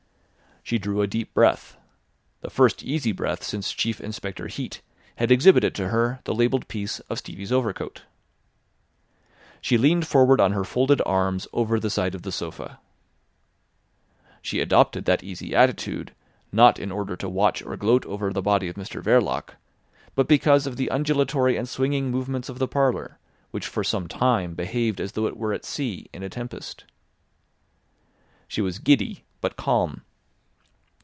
She drew a deep breath, the first easy breath since Chief Inspector Heat had exhibited to her the labelled piece of Stevie's overcoat. She leaned forward on her folded arms over the side of the sofa. She adopted that easy attitude not in order to watch or gloat over the body of Mr Verloc, but because of the undulatory and swinging movements of the parlour, which for some time behaved as though it were at sea in a tempest. She was giddy but calm.